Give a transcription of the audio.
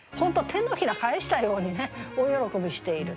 手のひら返したように大喜びしている。